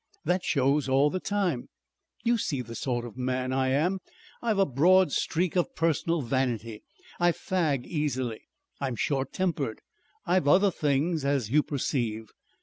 That shows all the time. You see the sort of man I am. I've a broad streak of personal vanity. I fag easily. I'm short tempered. I've other things, as you perceive.